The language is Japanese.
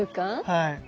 はい。